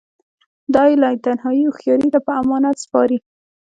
دا یې لایتناهي هوښیاري ته په امانت سپاري